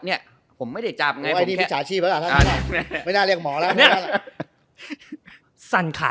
เนี้ยผมไม่ได้จับไงผมแค่ไม่น่าเรียกหมอแล้วเนี้ยสั่นขา